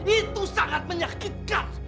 itu sangat menyakitkan